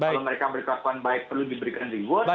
kalau mereka berkelakuan baik perlu diberikan reward